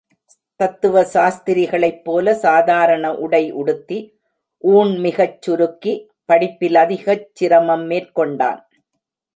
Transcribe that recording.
தத்துவ சாஸ்திரிகளைப்போல சாதாரண உடை உடுத்தி, ஊண் மிகச் சுருக்கி, படிப்பில் அதிகச் சிரமம் மேற்கொண்டான்.